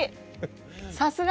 さすが！